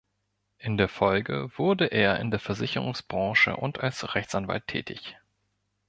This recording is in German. In der Folge wurde er in der Versicherungsbranche und als Rechtsanwalt tätig.